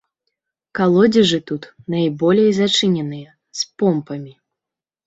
Калодзежы тут найболей зачыненыя, з помпамі.